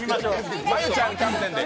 真悠ちゃんキャプテンで。